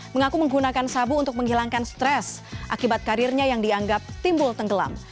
mengaku menggunakan sabu untuk menghilangkan stres akibat karirnya yang dianggap timbul tenggelam